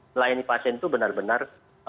melayani pasien itu benar benar